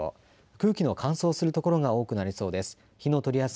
空気の乾燥する所が多くなりそうです。